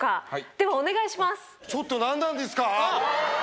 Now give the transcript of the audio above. ではお願いします。